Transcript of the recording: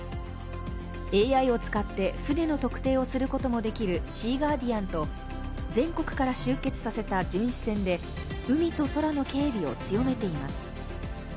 ＡＩを使って船の特定をすることもできる「シーガーディアン」と、全国から集結させた巡視船で海と空の警備を強めています。